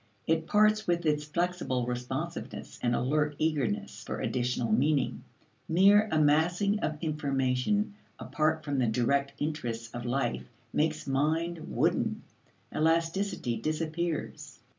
It parts with its flexible responsiveness and alert eagerness for additional meaning. Mere amassing of information apart from the direct interests of life makes mind wooden; elasticity disappears.